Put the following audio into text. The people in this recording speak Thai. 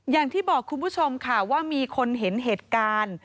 อย่างที่บอกคุณผู้ชมค่ะว่ามีคนเห็นเหตุการณ์